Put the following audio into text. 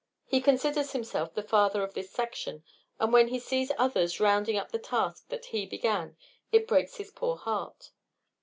He considers himself the father of this section; and when he sees others rounding up the task that he began, it breaks his poor heart.